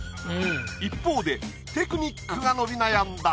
一方でテクニックが伸び悩んだ。